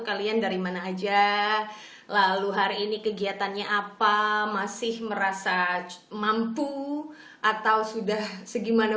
kalian dari mana aja lalu hari ini kegiatannya apakah dapat zodiac ini atau sudah sebuah